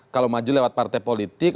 kalau maju lewat partai politik